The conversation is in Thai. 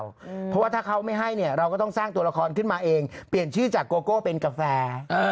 เพราะว่าถ้าเขาไม่ให้เนี่ยเราก็ต้องสร้างตัวละครขึ้นมาเองเปลี่ยนชื่อจากโกโก้เป็นกาแฟ